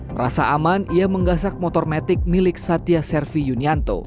merasa aman ia menggasak motor metik milik satya servi yunianto